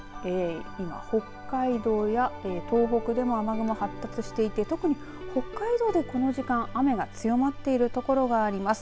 今、北海道や東北でも雨雲が発達していて特に北海道でこの時間雨が強まっている所があります。